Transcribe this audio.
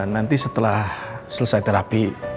nanti setelah selesai terapi